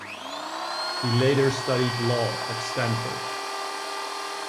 He later studied law at Stanford.